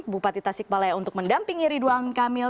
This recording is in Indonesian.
bupati tasikmalaya untuk mendampingi ridwan kamil